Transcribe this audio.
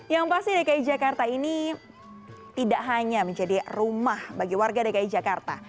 yang pasti dki jakarta ini tidak hanya menjadi rumah bagi warga dki jakarta